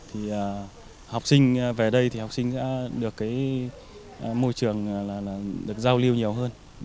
học sinh về đây thì học sinh đã được môi trường giao lưu nhiều hơn